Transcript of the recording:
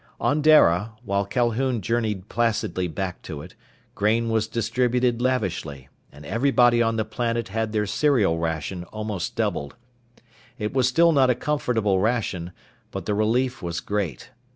On Dara, while Calhoun journeyed placidly back to it, grain was distributed lavishly, and everybody on the planet had their cereal ration almost doubled. It was still not a comfortable ration, but the relief was great.